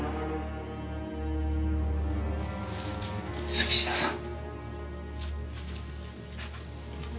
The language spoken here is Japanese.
杉下さん。